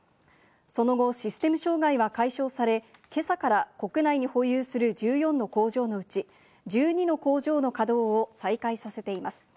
その後、システム障害は解消され、今朝から国内に保有する１４の工場のうち、１２の工場の稼働を再開させています。